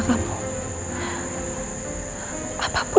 aku gue dapat itu